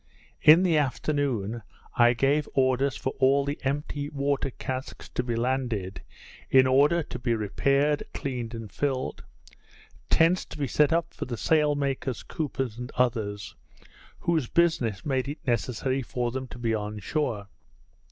In the afternoon, I gave orders for all the empty water casks to be landed, in order to be repaired, cleaned, and filled, tents to be set up for the sail makers, coopers, and others, whose business made it necessary for them to be on shore.